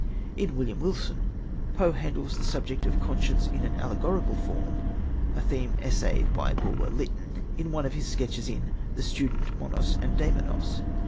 In William Wilson, Poe handles the subject of conscience in an allegorical form, a theme essayed by Bulwer Lytton in one of his sketches in The Student, Monos and Daimonos.